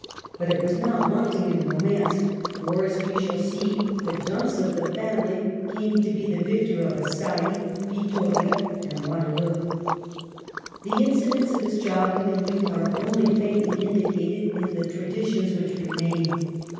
But it was not wanting in romance ; for, as we shall see, " the dunce of the family " came to be the victor of Assaye, Vittoria, and Waterloo. The incidents of his childhood and youth are only faintly indicated in the traditions which remain.